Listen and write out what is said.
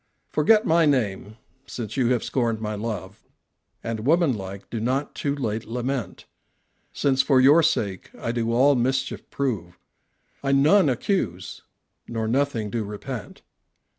Forget my name, since you have scorned my love, And woman like do not too late lament; Since for your sake I do all mischief prove, I none accuse nor nothing do repent.